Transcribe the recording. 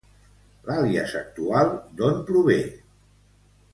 L'àlies actual, d'on prové?